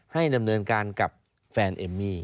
ให้ดำเนินการกับแฟนเอมมี่